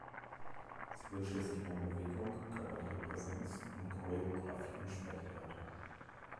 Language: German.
Sie wünschte sich mehr Bewegung, körperliche Präsenz und Choreographie im Sprechtheater.